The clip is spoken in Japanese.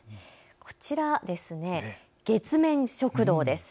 こちら月面食堂です。